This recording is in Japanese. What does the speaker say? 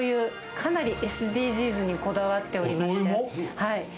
かなりＳＤＧｓにこだわっております。